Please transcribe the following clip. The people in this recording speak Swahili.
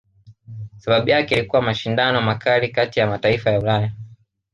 Sababu yake ilikuwa mashindano makali kati ya mataifa ya Ulaya